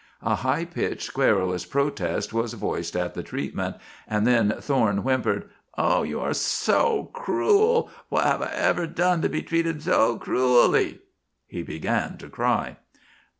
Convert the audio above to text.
A high pitched, querulous protest was voiced at the treatment, and then Thorne whimpered: "Oh, you are so cruel! What have I ever done to be treated so cruelly?" He began to cry.